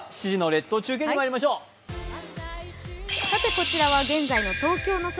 こちらは現在の東京の空